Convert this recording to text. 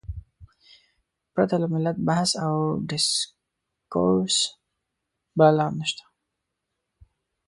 پرته له ملي بحث او ډیسکورس بله لار نشته.